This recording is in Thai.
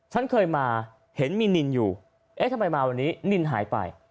ฉันเคยมาเห็นมีนินอยู่เอ๊ะทำไมมาวันนี้นินหายไป